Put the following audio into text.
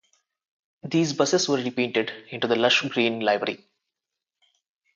These buses were repainted into the lush green livery.